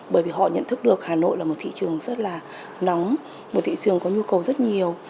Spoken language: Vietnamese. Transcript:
bởi vì họ nhận thức được hà nội là một thị trường rất là nóng một thị trường có nhu cầu rất nhiều